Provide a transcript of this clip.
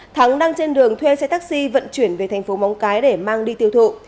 thắng đang trên đường thuê xe taxi vận chuyển về tp mong cái để mang đi tiêu thụ